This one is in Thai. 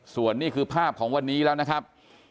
ส่วนนี้คือภาพของวันนี้แล้วนะครับ